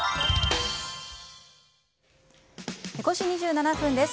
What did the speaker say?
５時２７分です。